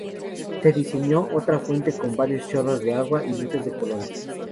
Se diseñó otra fuente con varios chorros de agua y luces de colores.